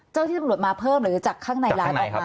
เจ้าที่ตำรวจมาเพิ่มหรือจากข้างในร้านออกมา